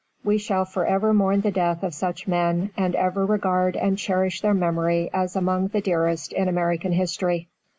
We shall forever mourn the death of such men, and ever regard and cherish their memory as among the dearest in American history.